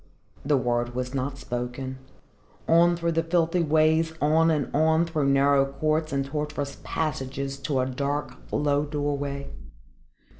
The word was not spoken. On through the filthy ways, on and on, through narrow courts and tortuous passages to a dark low doorway.